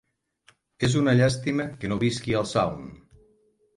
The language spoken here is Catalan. "És una llàstima que no visqui al Sound".